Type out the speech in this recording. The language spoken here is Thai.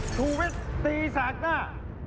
ชูวิทย์ตีแสกหน้า